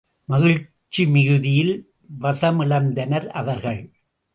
மகிழ்ச்சி மிகுதியில் வசமிழந்தனர் அவர்கள்.